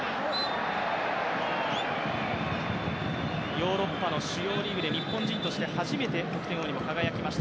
ヨーロッパの主要リーグで日本人として初めて得点王にも輝きました